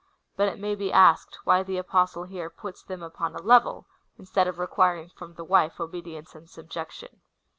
But it may be asked, why the Apostle here puts them upon a level, instead of requiring from the wife obedience and subjection.